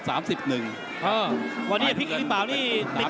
วันนี้พลิกลิ่นเบานี่ติดตาม